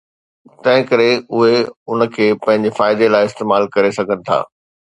تنهن ڪري اهي ان کي پنهنجي فائدي لاء استعمال ڪري سگهن ٿا.